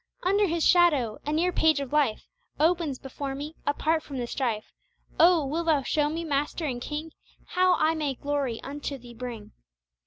"Under His shadow," a near page of life. Opens before me, apart from the strife Oh! will Thou show me Master and King How I may glory unto Thee bring!